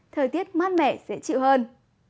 thời tiết mát mẻ dễ chịu hơn